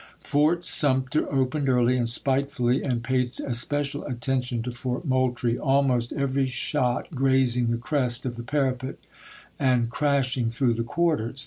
" Fort Sumter opened early and spitefully, and paid especial attention to Fort Moultrie — almost THE FALL OF SUMTER 57 every shot grazing the crest of the parapet, and chap. in. crashing through the quarters."